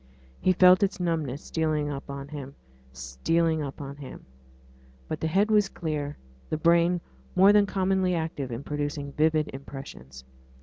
He felt its numbness stealing up him stealing up him. But the head was clear, the brain more than commonly active in producing vivid impressions.